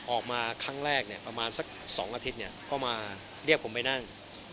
ออกมาครั้งแรกประมาณสัก๒อาทิตย์ก็มาเรียกผมไปนั่ง